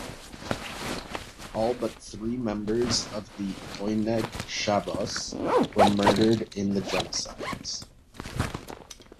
All but three members of the Oyneg Shabbos were murdered in the genocides.